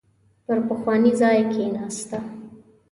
پر پخواني ځای کېناسته.